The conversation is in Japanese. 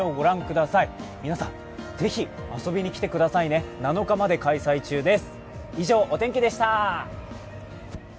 皆さん、ぜひ遊びに来てくださいね７日まで開催中です。